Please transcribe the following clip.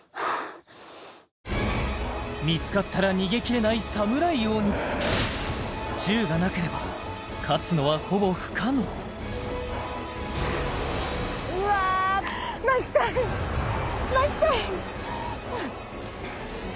見つかったら逃げきれないサムライ鬼銃がなければ勝つのはほぼ不可能うわっ泣きたい泣きたい